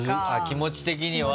気持ち的に。